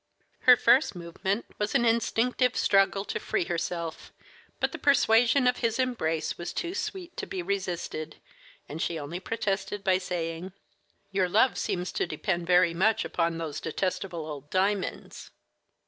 Her first movement was an instinctive struggle to free herself; but the persuasion of his embrace was too sweet to be resisted, and she only protested by saying, "Your love seems to depend very much upon those detestable old diamonds."